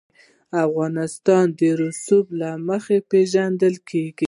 افغانستان د رسوب له مخې پېژندل کېږي.